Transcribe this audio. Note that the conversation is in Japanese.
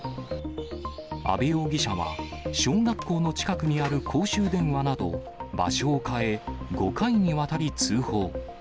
阿部容疑者は、小学校の近くにある公衆電話など、場所を変え５回にわたり通報。